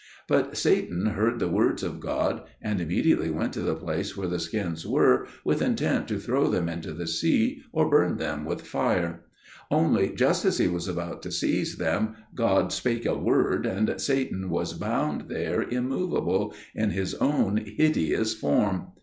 But Satan heard the words of God, and immediately went to the place where the skins were, with intent to throw them into the sea, or burn them with fire; only, just as he was about to seize them, God spake a word, and Satan was bound there immovable, in his own hideous form.